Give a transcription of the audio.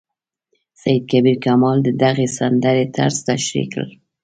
سید کبیر کمال د دغې سندرې طرز تشریح کړ.